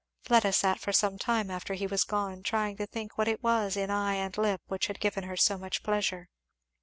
Fleda sat for some time after he was gone trying to think what it was in eye and lip which had given her so much pleasure.